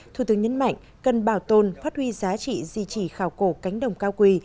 thủ tướng nhấn mạnh cần bảo tồn phát huy giá trị di trì khảo cổ cánh đồng cao quỳ